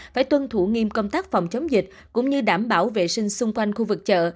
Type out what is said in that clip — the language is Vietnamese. phải tuân thủ nghiêm công tác phòng chống dịch cũng như đảm bảo vệ sinh xung quanh khu vực chợ